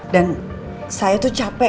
dan saya tuh capek